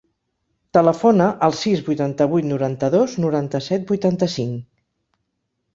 Telefona al sis, vuitanta-vuit, noranta-dos, noranta-set, vuitanta-cinc.